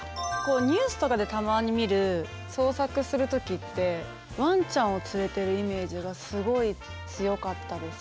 ニュースとかでたまに見る捜索する時ってわんちゃんを連れてるイメージがすごい強かったです。